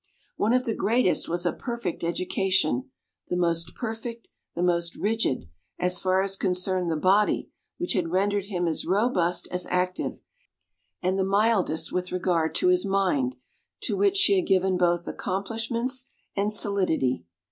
One of the greatest was a perfect education the most perfect, the most rigid, as far as concerned the body, which had rendered him as robust as active; and the mildest with regard to his mind, to which she had given both accomplishments and solidity.